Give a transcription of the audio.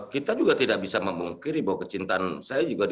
kita juga tidak bisa memungkiri bahwa kecintaan saya juga di